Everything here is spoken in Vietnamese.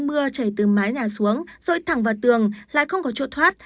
mưa chảy từ mái nhà xuống rồi thẳng vào tường lại không có chỗ thoát